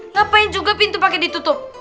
ngapain juga pintu pakai ditutup